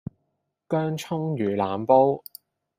薑蔥魚腩煲